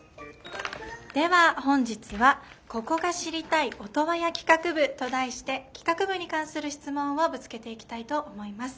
では本日は「ここが知りたいオトワヤ企画部！」と題して企画部に関する質問をぶつけていきたいと思います。